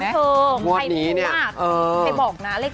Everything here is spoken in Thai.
ใครรู้มากใครบอกนะเลข๙